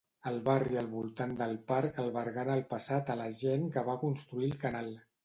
El barri al voltant del parc albergà en el passat a la gent que va construir el canal.